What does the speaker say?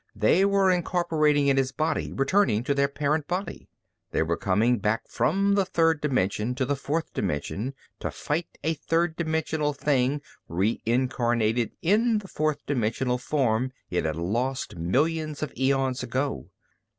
They were incorporating in his body, returning to their parent body! They were coming back from the third dimension to the fourth dimension to fight a third dimensional thing reincarnated in the fourth dimensional form it had lost millions of eons ago!